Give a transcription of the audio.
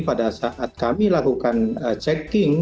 pada saat kami lakukan checking